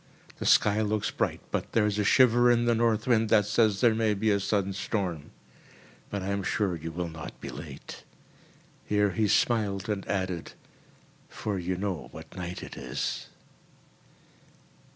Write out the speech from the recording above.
The sky looks bright but there is a shiver in the north wind that says there may be a sudden storm. But I am sure you will not be late." Here he smiled, and added, "for you know what night it is."